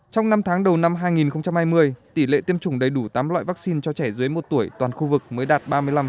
trong năm tháng đầu năm hai nghìn hai mươi tỷ lệ tiêm chủng đầy đủ tám loại vaccine cho trẻ dưới một tuổi toàn khu vực mới đạt ba mươi năm